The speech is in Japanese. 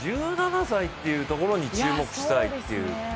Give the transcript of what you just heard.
１７歳というところに注目したいという。